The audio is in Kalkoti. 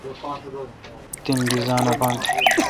تن ڈیزان اپاتھ